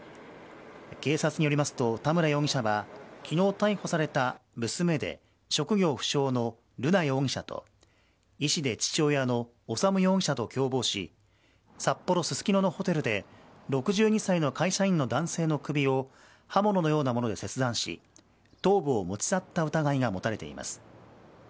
警察によりますと、田村容疑者は、きのう逮捕された娘で職業不詳の瑠奈容疑者と、医師で父親の修容疑者と共謀し、札幌・すすきののホテルで６２歳の会社員の男性の首を刃物のようなもので切断し、頭部を持ち去った疑いが持たれています。